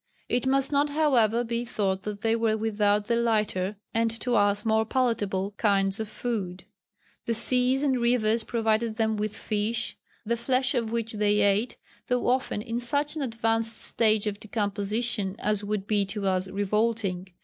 It must not, however, be thought that they were without the lighter, and to us, more palatable, kinds of food. The seas and rivers provided them with fish, the flesh of which they ate, though often in such an advanced stage of decomposition as would be to us revolting.